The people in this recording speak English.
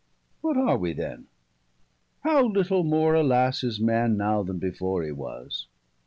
50 What are wee then? How little more alas Is man now, then before he was?